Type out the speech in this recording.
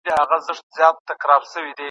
هغه ډېر نوي ښوونځي او روغتونونه جوړ کړل.